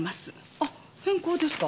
あっ変更ですか？